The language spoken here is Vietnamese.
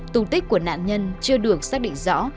tung tích của nạn nhân chưa được xác định rõ